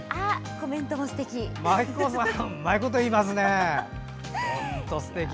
コメントもすてき。